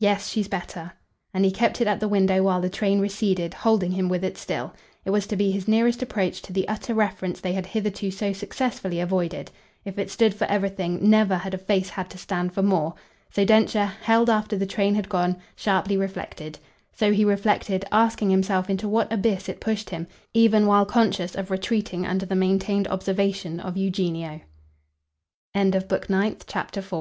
"Yes, she's better." And he kept it at the window while the train receded, holding him with it still. It was to be his nearest approach to the utter reference they had hitherto so successfully avoided. If it stood for everything; never had a face had to stand for more. So Densher, held after the train had gone, sharply reflected; so he reflected, asking himself into what abyss it pushed him, even while conscious of retreating under the maintained observation of Eugenio. Book Tenth, Chapter 1 "Then it has been what do you say? a whol